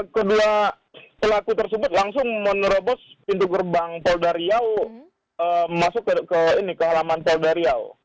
kedua pelaku tersebut langsung menerobos pintu gerbang polda riau masuk ke halaman polda riau